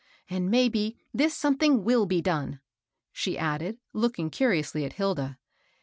And maybe this something will be done," she added, looking curiously at Hilda.